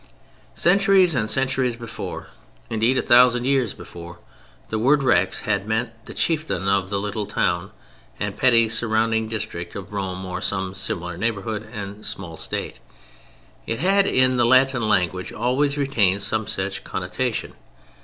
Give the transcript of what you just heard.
Centuries and centuries before, indeed a thousand years before, the word Rex had meant the chieftain of the little town and petty surrounding district of Rome or of some similar neighboring and small state. It had in the Latin language always retained some such connotation.